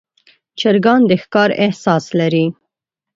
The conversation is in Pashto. چرګان د ښکار احساس لري.